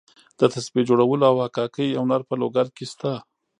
د تسبیح جوړولو او حکاکۍ هنر په لوګر کې شته.